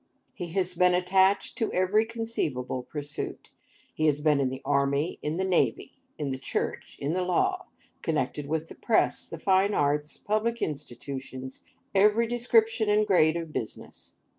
He has been attached to every conceivable pursuit. He has been in the army, in the navy, in the church, in the law; connected with the press, the fine arts, public institutions, every description and grade of business.